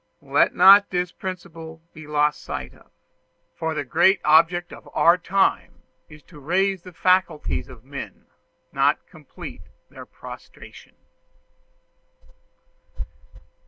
Let not this principle be lost sight of; for the great object in our time is to raise the faculties of men, not to complete their prostration.